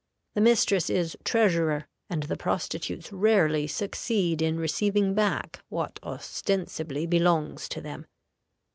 The mistress is treasurer, and the prostitutes rarely succeed in receiving back what ostensibly belongs to them.